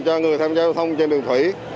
cho người sát thông đường thủy